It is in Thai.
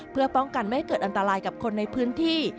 เพื่อป้องกันไม่ให้เกิดอันตรายกับคนในพื้นที่